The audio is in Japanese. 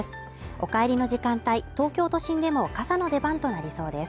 お帰りの時間帯、東京都心でも傘の出番となりそうです。